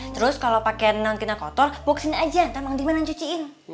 terus kalau pakai nang kinang kotor bawa kesini aja nanti mang liman ngancuciin